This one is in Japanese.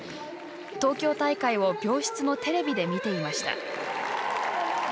東京大会を病室のテレビで見ていました。